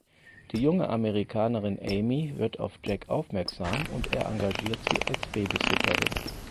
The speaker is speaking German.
Die junge Amerikanerin Amy wird auf Jack aufmerksam und er engagiert sie als Babysitterin.